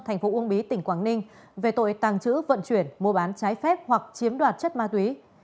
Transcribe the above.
thành phố uông bí tỉnh quảng ninh về tội tàng trữ vận chuyển mua bán trái phép hoặc chiếm đoạt chất ma túy